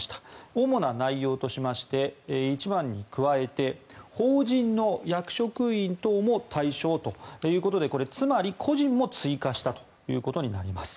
主な内容としまして１番に加えて法人の役職員等も対象ということでつまり個人も追加したということになります。